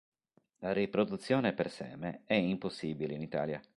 La riproduzione per seme è impossibile in Italia.